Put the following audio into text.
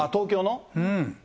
うん。